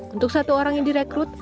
untuk satu orang yang direkrut